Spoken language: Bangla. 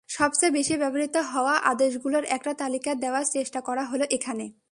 সবচেয়ে বেশি ব্যবহৃত হওয়া আদেশগুলোর একটা তালিকা দেওয়ার চেষ্টা করা হলো এখানে।